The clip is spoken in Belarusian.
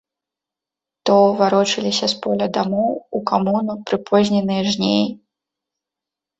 То варочаліся з поля дамоў, у камуну, прыпозненыя жнеі.